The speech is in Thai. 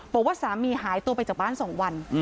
บอกว่าสามีหายตัวไปจากบ้าน๒วัน